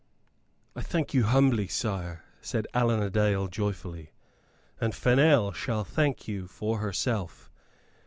"I thank you humbly, sire," said Allan a Dale, joyfully. "And Fennel shall thank you for herself.